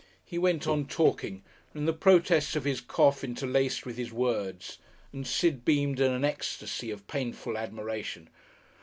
He went on talking, and the protests of his cough interlaced with his words, and Sid beamed in an ecstasy of painful admiration.